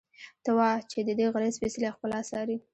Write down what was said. ته وا چې ددې غره سپېڅلې ښکلا څاري.